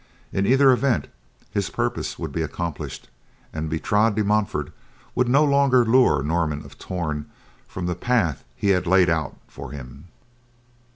In either event, his purpose would be accomplished, and Bertrade de Montfort would no longer lure Norman of Torn from the path he had laid out for him.